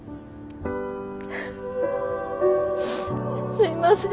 すいません。